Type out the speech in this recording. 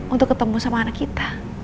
untuk ketemu sama anak kita